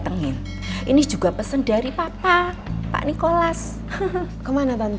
dengan awal jadifire